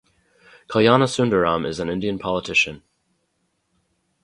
Kalyanasundaram is an Indian politician.